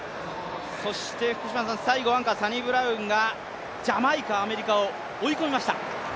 そしてアンカー、サニブラウンがジャマイカ、アメリカを追い込みました。